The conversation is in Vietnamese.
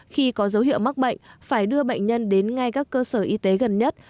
khi có dấu hiệu mắc bệnh phải đưa bệnh nhân đến ngay các cơ sở y tế gần nhất